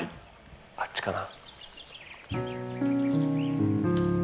あっちかな。